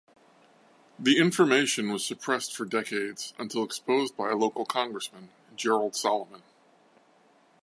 The information was suppressed for decades, until exposed by a local Congressman, Gerald Solomon.